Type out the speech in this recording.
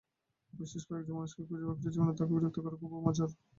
বিশেষ একজন মানুষকে খুঁজে বাকিটা জীবন তাকে বিরক্ত করা খুবই মজার।